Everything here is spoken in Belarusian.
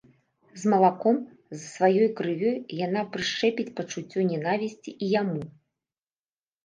З малаком, з сваёй крывёй яна прышчэпіць пачуццё нянавісці і яму.